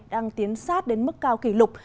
đang tiến sát đến mức cao kỷ lục